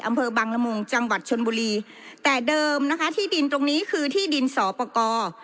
อำเภอบังละมุงจังหวัดชนบุรีแต่เดิมนะคะที่ดินตรงนี้คือที่ดินสอปกร